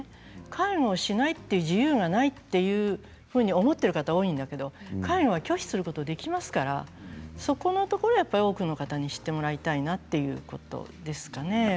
介護をしないという自由がないというふうに思っている方多いんだけど介護は拒否することができますから、そこのところ多くの方に知ってもらいたいなということですかね。